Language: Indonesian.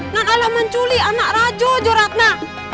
nggak alam menculik anak rajo joratna